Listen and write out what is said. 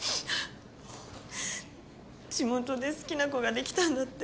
地元で好きな子ができたんだって。